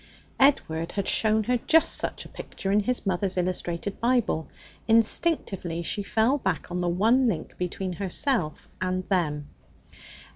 Edward had shown her just such a picture in his mother's illustrated Bible. Instinctively she fell back on the one link between herself and them.